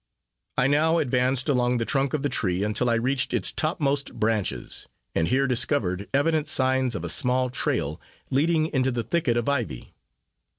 I now advanced along the trunk of the tree until I reached its topmost branches, and here discovered evident signs of a small trail, leading into the thicket of ivy.